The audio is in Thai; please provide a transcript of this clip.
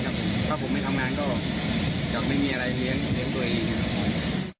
ถ้าผมไม่ทำงานก็จะไม่มีอะไรเลี้ยงเลี้ยงตัวเอง